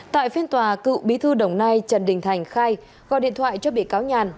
tại phiên tòa cựu bí thư đồng nai trần đình thành khai gọi điện thoại cho bị cáo nhàn